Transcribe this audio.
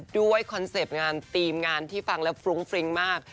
คอนเซ็ปต์งานทีมงานที่ฟังแล้วฟรุ้งฟริ้งมาก